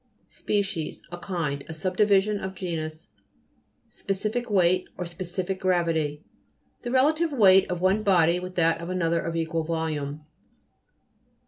SPECIES A kind ; a subdivision of genus. SPECIFIC "WEIGHT, or SPECIFIC GRA VITY The relative weight of one body with that of another of equal volume.